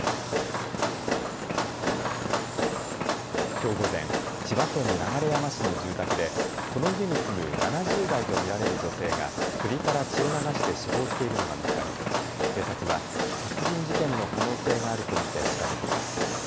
きょう午前、千葉県流山市の住宅でこの家に住む７０代と見られる女性が首から血を流して死亡しているのが見つかり警察は殺人事件の可能性があると見て調べています。